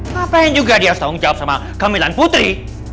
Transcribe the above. ngapain juga dia setahu menjawab sama kemilan putri